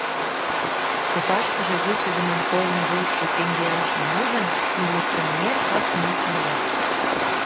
Копашкыже вучыдымын толын вочшо теҥгеашым ужын, милиционер ак-мук лие.